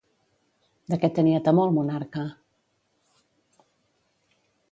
De què tenia temor el monarca?